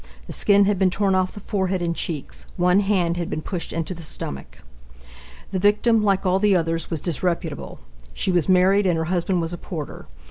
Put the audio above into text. The skin had been torn off the forehead and cheeks. One hand had been pushed into the stomach. The victim, like all the others, was disreputable. She was married and her husband was a porter.